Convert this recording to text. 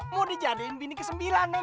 mau dijadein bini ke sembilan nih